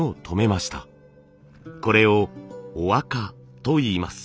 これを麻垢といいます。